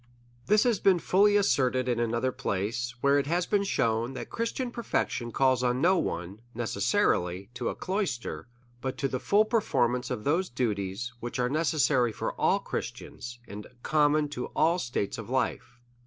This has been fully asserted in another place ; where it has been shewn that Christian perfection calls no one (necessarily) to a cloister, but to the full performance of those duties, which are necessary for all Christians, and common to all states of life.